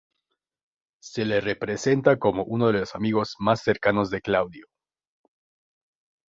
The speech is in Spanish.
Se le representa como uno de los amigos más cercanos de Claudio.